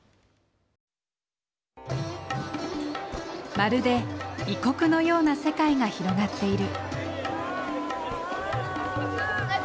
まるで異国のような世界が広がっている。